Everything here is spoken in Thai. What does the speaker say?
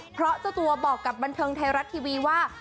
เพราะเจ้าตัวบอกกับบันเทิงไทยรัฐทีวีว่า